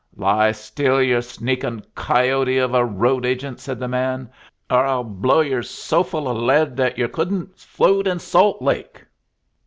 "Lie still, yer sneakin' coyote of a road agent," said the man, "or I'll blow yer so full of lead that yer couldn't float in Salt Lake."